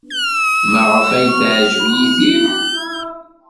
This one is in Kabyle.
Maɣef ay teɛjeb Yidir?